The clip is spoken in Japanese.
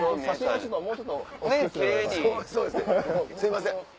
すいません。